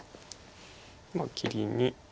切りに。